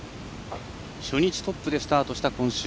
初日トップでスタートした今週。